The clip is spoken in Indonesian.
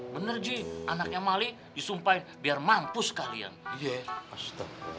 bener ji anaknya mali disumpahin biar mampus kalian iya astagfirullah